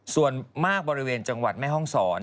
ส่วนมากบริเวณจังหวัดแม่ห้องศร